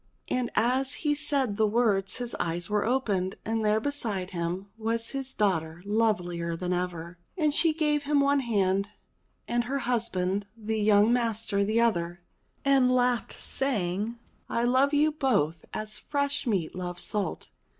And as he said the words his eyes were opened, and there beside him was his daughter lovelier than ever. And she gave him one hand, and her husband, the young master, the other, and laughed saying, "I love you both as fresh meat loves salt."